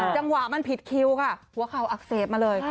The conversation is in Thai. จังหวะมันผิดคิวค่ะหัวเข่าอักเสบมาเลย